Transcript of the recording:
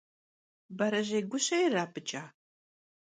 Berejêy guşe yirap'ıç'a?